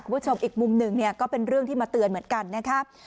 คุณผู้ชมอีกมุมหนึ่งเนี่ยก็เป็นเรื่องที่มาเตือนเหมือนกันนะครับ